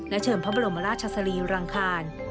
และเฉินพระบรมราชชาสรีรังคาร